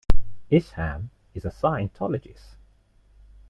Isham is a Scientologist.